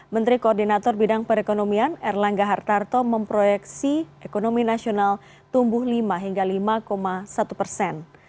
menteri koordinator bidang perekonomian erlangga hartarto memproyeksi ekonomi nasional tumbuh lima hingga lima satu persen